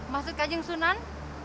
maksud kajeng sunan